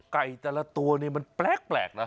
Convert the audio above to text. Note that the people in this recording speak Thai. ไก่แต่ละตัวนี่แปลกนะ